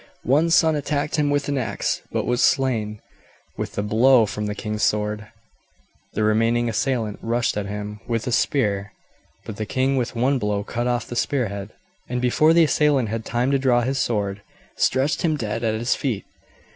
One son attacked him with an axe, but was slain with a blow from the king's sword. The remaining assailant rushed at him with a spear; but the king with one blow cut off the spearhead, and before the assailant had time to draw his sword, stretched him dead at his feet.